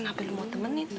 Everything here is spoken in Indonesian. kenapa lo mau temenin